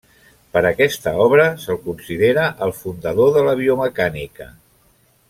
Per aquesta obra se'l considera el fundador de la Biomecànica.